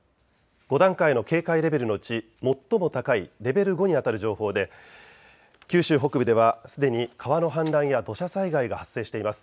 ５段階の警戒レベルのうち最も高いレベル５にあたる情報で九州北部ではすでに川の氾濫や土砂災害が発生しています。